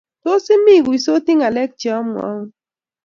Tos, imi iguisoti ngalek chamwaun?